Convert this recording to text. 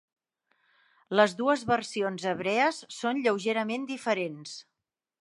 Les dues versions hebrees són lleugerament diferents.